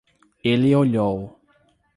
Ele olhou.